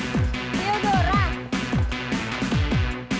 kita duduk yuk